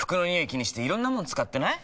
気にしていろんなもの使ってない？